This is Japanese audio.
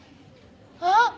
あっ！